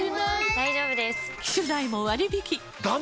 大丈夫です！